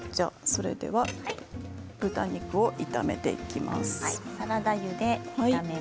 それでは豚肉を炒めていきます。